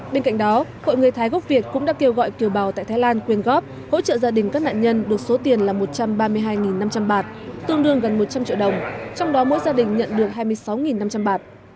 bên cạnh đó hội người thái gốc việt cũng đã kêu gọi kiều bào tại thái lan quyên góp hỗ trợ gia đình các nạn nhân được số tiền là một trăm ba mươi hai năm trăm linh bạt tương đương gần một trăm linh triệu đồng trong đó mỗi gia đình nhận được hai mươi sáu năm trăm linh bạt